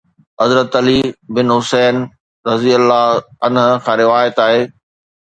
حضرت علي بن حسين رضي الله عنه کان روايت آهي.